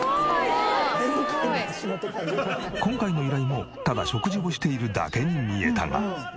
今回の依頼もただ食事をしているだけに見えたが。